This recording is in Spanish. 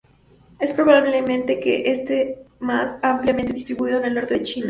Es probablemente que este más ampliamente distribuido en el Norte de China.